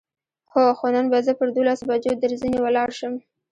هو، خو نن به زه پر دولسو بجو درځنې ولاړ شم.